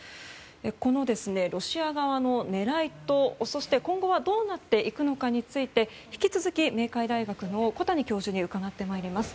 このロシア側の狙いとそして、今後はどうなっていくのかについて引き続き明海大学の小谷教授に伺ってまいります。